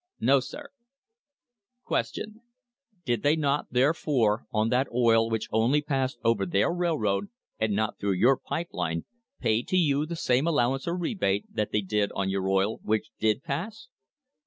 No, sir. Q. Did not they, therefore, on that oil which only passed over their railroad and not through your pipe line, pay to you the same allowance or rebate that they did on your oil which did pass